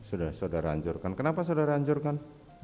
sudah saudara hancurkan kenapa saudara hancurkan